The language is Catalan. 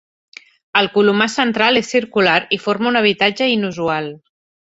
El colomar central és circular i forma un habitatge inusual.